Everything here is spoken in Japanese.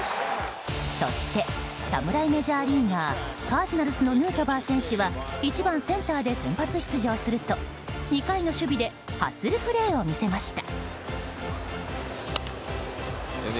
そして侍メジャーリーガーカージナルスのヌートバー選手は１番センターで先発出場すると２回の守備でハッスルプレーを見せました。